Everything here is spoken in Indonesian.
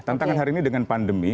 tantangan hari ini dengan pandemi